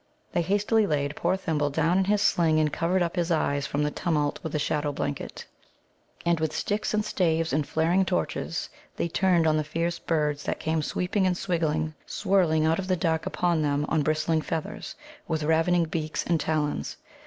They hastily laid poor Thimble down in his sling and covered up his eyes from the tumult with a shadow blanket. And with sticks and staves and flaring torches they turned on the fierce birds that came sweeping and swirling out of the dark upon them on bristling feathers, with ravening beaks and talons.